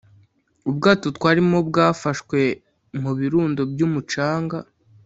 ubwato twarimo bwafashwe mu birundo by umucanga